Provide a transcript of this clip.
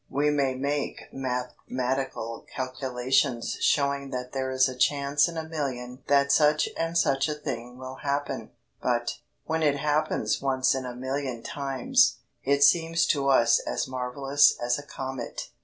We may make mathematical calculations showing that there is a chance in a million that such and such a thing will happen, but, when it happens once in a million times, it seems to us as marvellous as a comet.